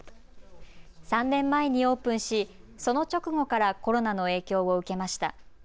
３年前にオープンしその直後からコロナの影響を受けました。